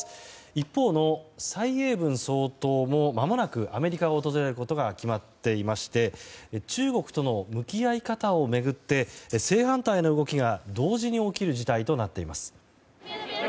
一方の蔡英文総統もまもなくアメリカを訪れることが決まっていまして中国との向き合い方を巡って正反対の動きが同時に起きる事態となっています。